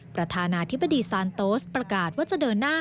ประธานาธิบดีซานโตสประกาศว่าจะเดินหน้า